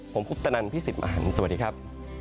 ผมพุทธนันทร์พี่ศิษย์มหันธ์สวัสดีครับ